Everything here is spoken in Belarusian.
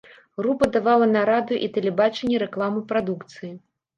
Група давала на радыё і тэлебачанне рэкламу прадукцыі.